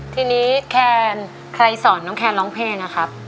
ทีนี้แคนใครสอนน้องแคนร้องเพลงอะครับ